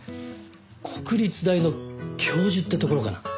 国立大の教授ってところかな。